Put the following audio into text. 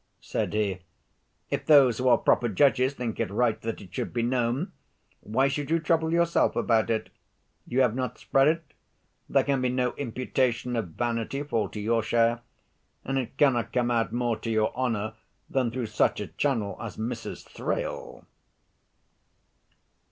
"Pho," said he: "if those who are proper judges think it right that it should be known, why should you trouble yourself about it? You have not spread it, there can no imputation of vanity fall to your share, and it cannot come out more to your honor than through such a channel as Mrs. Thrale."